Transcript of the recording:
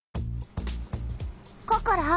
ココロ。